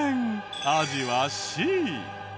アジはＣ。